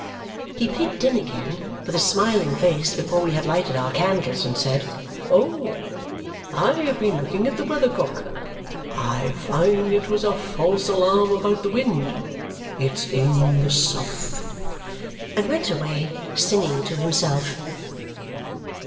He peeped in again, with a smiling face, before we had lighted our candles, and said, "Oh! I have been looking at the weather cock. I find it was a false alarm about the wind. It's in the south!" And went away singing to himself.